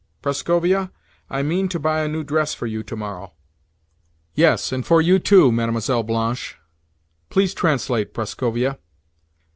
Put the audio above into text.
Prascovia, I mean to buy a new dress for you tomorrow. Yes, and for you too, Mlle. Blanche. Please translate, Prascovia."